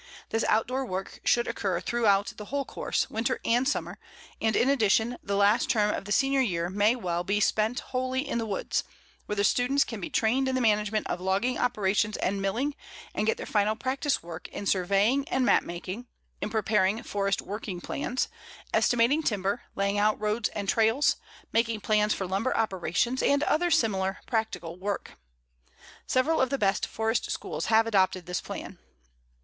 This outdoor work should occur throughout the whole course, winter and summer, and in addition, the last term of the senior year may well be spent wholly in the woods, where the students can be trained in the management of logging operations and milling, and can get their final practice work in surveying and map making, in preparing forest working plans, estimating timber, laying out roads and trails, making plans for lumber operations, and other similar practical work. Several of the best forest schools have adopted this plan.